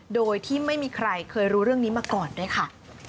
โดยที่ไม่มีใครเคยรู้เรื่องนี้มาก่อนด้วยค่ะ